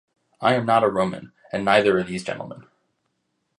I am not a Roman, and neither are these gentlemen.